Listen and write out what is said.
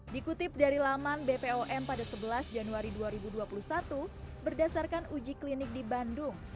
dikutip dari laman bpom pada sebelas januari dua ribu dua puluh satu berdasarkan uji klinik di bandung